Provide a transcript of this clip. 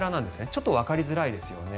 ちょっとわかりづらいですよね。